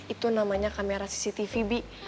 itu namanya kamera cctv bu